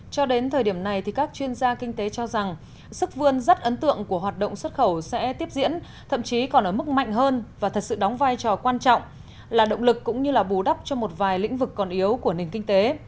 cho đến thời điểm này các chuyên gia kinh tế cho rằng sức vươn rất ấn tượng của hoạt động xuất khẩu sẽ tiếp diễn thậm chí còn ở mức mạnh hơn và thật sự đóng vai trò quan trọng là động lực cũng như bù đắp cho một vài lĩnh vực còn yếu của nền kinh tế